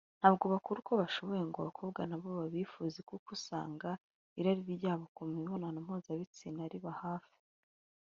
ntabwo bakora uko bashoboye ngo abakobwa na bo babifuze kuko usanga irari ryabo ku mibonano mpuzabitsina riba hafi